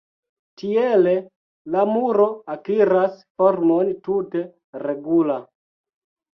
Tiele la muro akiras formon tute regula.